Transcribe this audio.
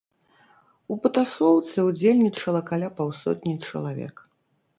У патасоўцы ўдзельнічала каля паўсотні чалавек.